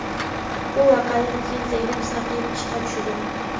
بۇ ۋەقەدىن كېيىن زەينەپ ساقىيىپ ئىشقا چۈشىدۇ.